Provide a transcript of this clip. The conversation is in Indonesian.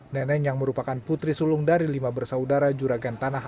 neneng yang merupakan putri sulung dari lima bersaudara juragan tanah